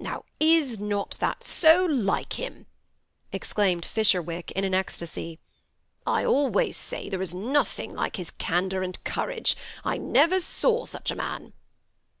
"Now, is not that so like him?" exclaimed Fisher wick in an ecstasy. " I always say there is nothing like his candor and courage. I never saw such a man."